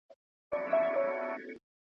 زه له عزراییل څخه سل ځله تښتېدلی یم .